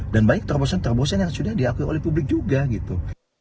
dan banyak terbosan terbosan yang sudah diakui oleh publik juga gitu